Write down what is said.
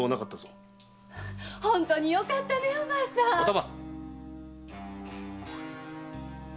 本当によかったねお前さん！お玉！